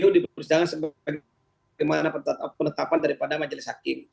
di perusahaan bagaimana penetapan daripada majelis hakim